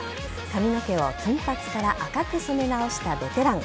髪の毛を金髪から赤く染め直したベテラン。